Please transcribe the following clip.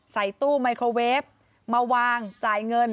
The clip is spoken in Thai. ใส่ตู้ไมโครเวฟมาวางจ่ายเงิน